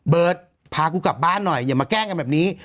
พากูกลับบ้านหน่อยอย่ามาแกล้งกันแบบนี้